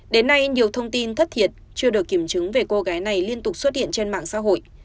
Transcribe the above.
đến nay nhiều thông tin thất thiệt chưa được kiểm chứng về cô gái này liên tục xuất hiện trên mạng xã hội